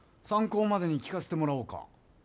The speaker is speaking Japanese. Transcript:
参考までに聞かせてもらおうか。